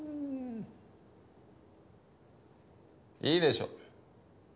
いいでしょう。